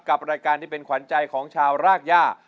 กับรายการที่เป็นขวัญใจของชาวรากย่า